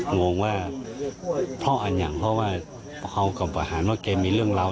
งงว่าเพราะอะไรอย่างเฮากับมีบาทรวดอภัยเราเกปมีเรื่องล้ำ